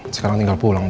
sekarang tinggal pulang deh